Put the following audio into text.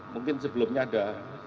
mungkin sebelumnya ada